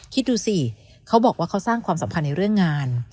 คิดดูสิเขาบอกว่าเขาสร้างความสัมพันธ์ในเรื่องงาน